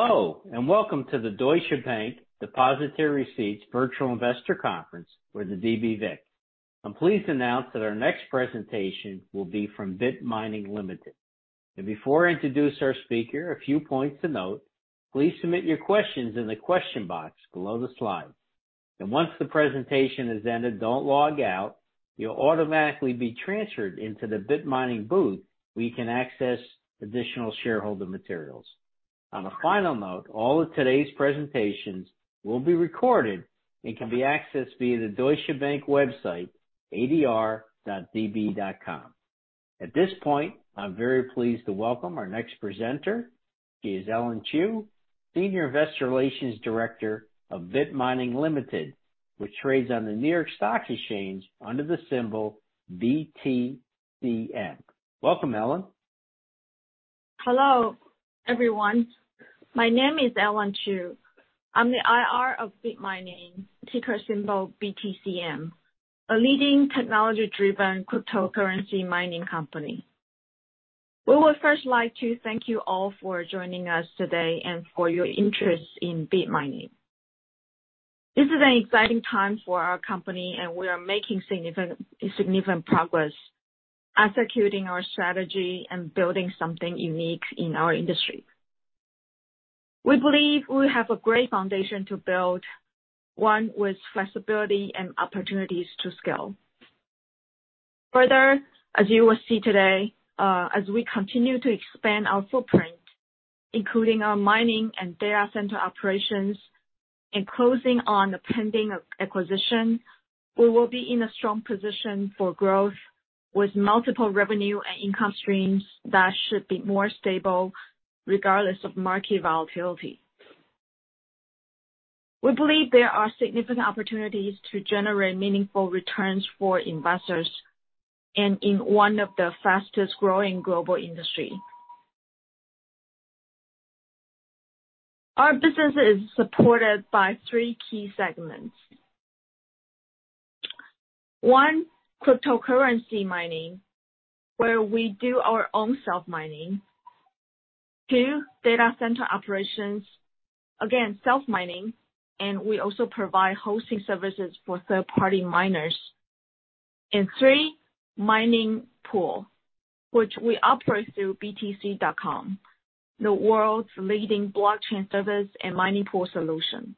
Hello, and welcome to the Deutsche Bank depository receipts virtual investor conference for the DBVIC. I'm pleased to announce that our next presentation will be from BIT Mining Limited. Before I introduce our speaker, a few points to note. Please submit your questions in the question box below the slide. Once the presentation has ended, don't log out. You'll automatically be transferred into the BIT Mining booth where you can access additional shareholder materials. On a final note, all of today's presentations will be recorded and can be accessed via the Deutsche Bank website, adr.db.com. At this point, I'm very pleased to welcome our next presenter. She is Ellen Chiu, Senior Investor Relations Director of BIT Mining Limited, which trades on the New York Stock Exchange under the symbol BTCM. Welcome, Ellen. Hello, everyone. My name is Ellen Chiu. I'm the IR of Bit Mining, ticker symbol BTCM, a leading technology-driven cryptocurrency mining company. We would first like to thank you all for joining us today and for your interest in Bit Mining. This is an exciting time for our company, and we are making significant progress executing our strategy and building something unique in our industry. We believe we have a great foundation to build, one with flexibility and opportunities to scale. Further, as you will see today, as we continue to expand our footprint, including our mining and data center operations and closing on the pending acquisition, we will be in a strong position for growth with multiple revenue and income streams that should be more stable regardless of market volatility. We believe there are significant opportunities to generate meaningful returns for investors in one of the fastest-growing global industries. Our business is supported by three key segments. One, cryptocurrency mining, where we do our own self-mining. Two, data center operations. Again, self-mining, and we also provide hosting services for third-party miners. Three, mining pool, which we operate through btc.com, the world's leading blockchain service and mining pool solution.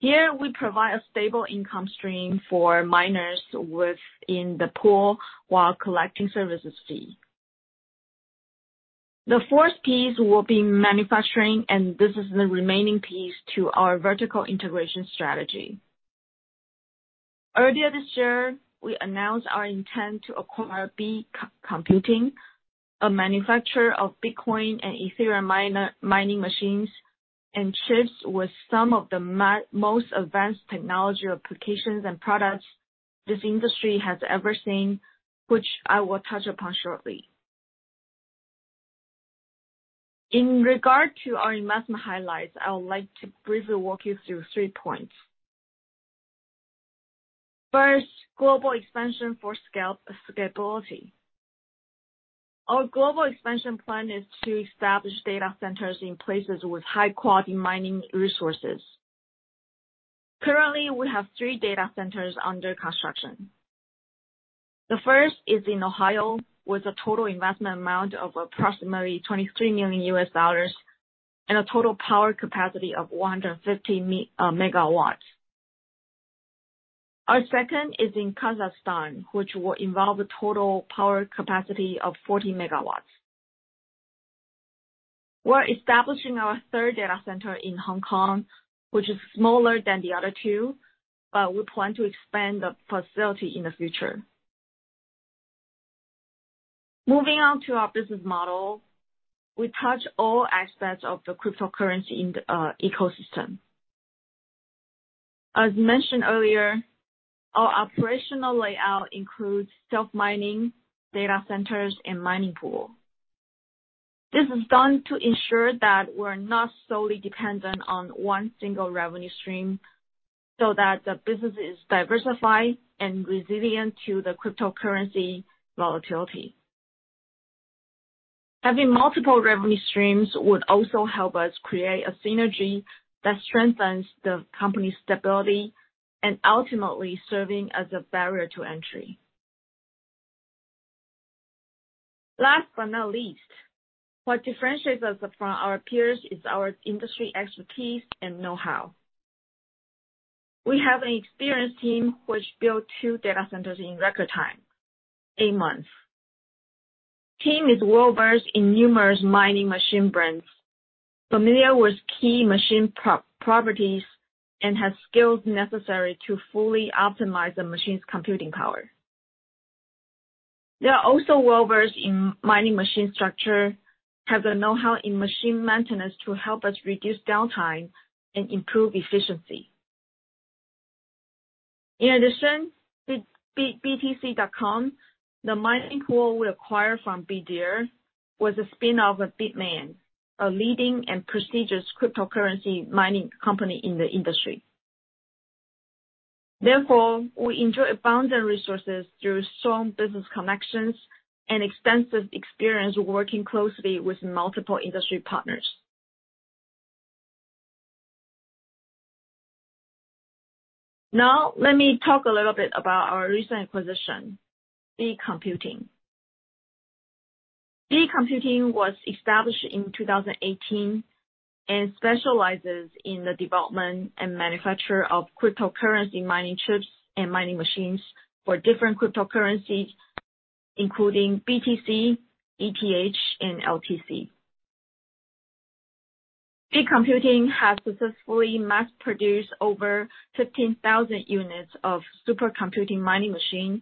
Here we provide a stable income stream for miners within the pool while collecting services fee. The fourth piece will be manufacturing, and this is the remaining piece to our vertical integration strategy. Earlier this year, we announced our intent to acquire Bee Computing, a manufacturer of Bitcoin and Ethereum miners, mining machines, and chips with some of the most advanced technology applications and products this industry has ever seen, which I will touch upon shortly. In regard to our investment highlights, I would like to briefly walk you through three points. First, global expansion for scalability. Our global expansion plan is to establish data centers in places with high-quality mining resources. Currently, we have three data centers under construction. The first is in Ohio, with a total investment amount of approximately $23 million and a total power capacity of 150 MW. Our second is in Kazakhstan, which will involve a total power capacity of 40 MW. We're establishing our third data center in Hong Kong, which is smaller than the other two, but we plan to expand the facility in the future. Moving on to our business model, we touch all aspects of the cryptocurrency ecosystem. As mentioned earlier, our operational layout includes self-mining, data centers and mining pool. This is done to ensure that we're not solely dependent on one single revenue stream so that the business is diversified and resilient to the cryptocurrency volatility. Having multiple revenue streams would also help us create a synergy that strengthens the company's stability and ultimately serving as a barrier to entry. Last but not least, what differentiates us from our peers is our industry expertise and know-how. We have an experienced team which built two data centers in record time, eight months. The team is well-versed in numerous mining machine brands, familiar with key machine properties, and has skills necessary to fully optimize the machine's computing power. They are also well-versed in mining machine structure, have the know-how in machine maintenance to help us reduce downtime and improve efficiency. In addition, btc.com, the mining pool we acquired from Bitmain was a spin-off of Bitmain, a leading and prestigious cryptocurrency mining company in the industry. Therefore, we enjoy abundant resources through strong business connections and extensive experience working closely with multiple industry partners. Now let me talk a little bit about our recent acquisition, Bee Computing. Bee Computing was established in 2018 and specializes in the development and manufacture of cryptocurrency mining chips and mining machines for different cryptocurrencies, including BTC, ETH, and LTC. Bee Computing has successfully mass-produced over 15,000 units of supercomputing mining machines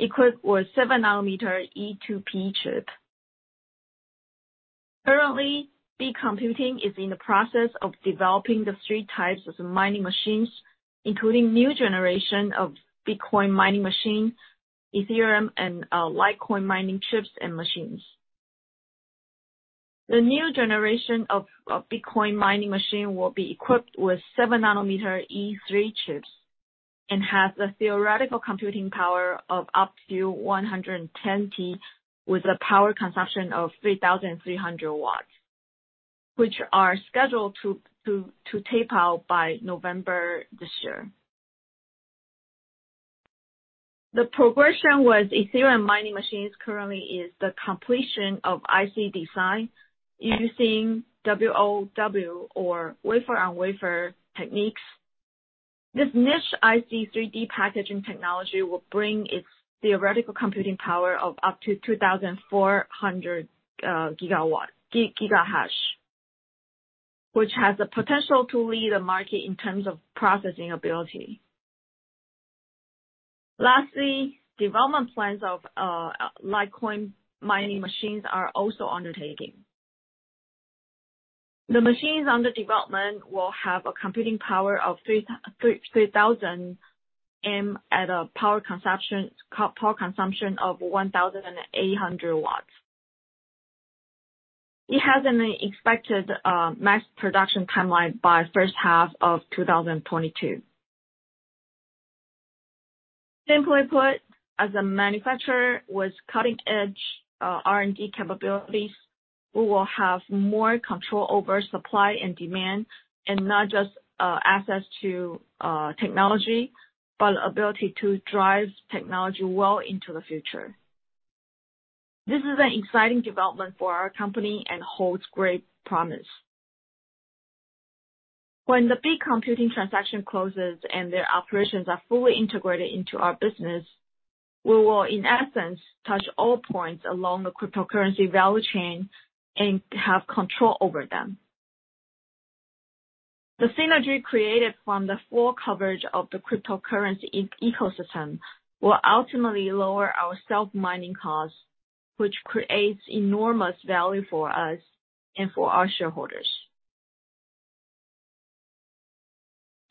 equipped with 7-nm E2P chip. Currently, Bee Computing is in the process of developing the three types of mining machines, including new generation of Bitcoin mining machine, Ethereum, and Litecoin mining chips and machines. The new generation of Bitcoin mining machine will be equipped with seven-nanometer E3 chips and has a theoretical computing power of up to 110 T with a power consumption of 3300 W, which are scheduled to tape out by November this year. The progression with Ethereum mining machines currently is the completion of IC design using WoW or wafer-on-wafer techniques. This niche 3D IC packaging technology will bring its theoretical computing power of up to 2400 Megahash, which has the potential to lead the market in terms of processing ability. Lastly, development plans of Litecoin mining machines are also undertaking. The machines under development will have a computing power of 3000 M at a power consumption of 1800 W. It has an expected mass production timeline by first half of 2022. Simply put, as a manufacturer with cutting-edge R&D capabilities, we will have more control over supply and demand, and not just access to technology, but ability to drive technology well into the future. This is an exciting development for our company and holds great promise. When the Bee Computing transaction closes and their operations are fully integrated into our business, we will, in essence, touch all points along the cryptocurrency value chain and have control over them. The synergy created from the full coverage of the cryptocurrency ecosystem will ultimately lower our self-mining costs, which creates enormous value for us and for our shareholders.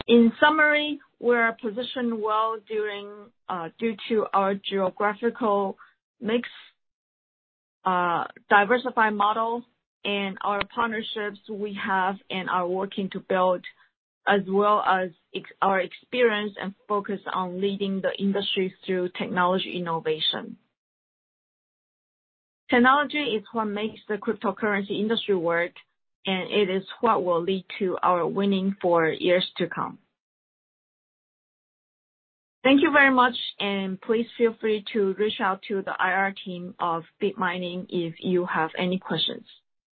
In summary, we are positioned well due to our geographical mix, diversified model, and our partnerships we have and are working to build, as well as our experience and focus on leading the industry through technology innovation. Technology is what makes the cryptocurrency industry work, and it is what will lead to our winning for years to come. Thank you very much, and please feel free to reach out to the IR team of BIT Mining if you have any questions.